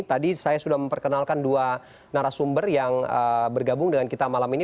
tadi saya sudah memperkenalkan dua narasumber yang bergabung dengan kita malam ini